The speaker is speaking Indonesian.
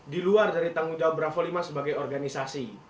di luar dari tanggung jawab bravo lima sebagai organisasi